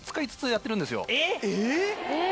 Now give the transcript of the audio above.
えっ？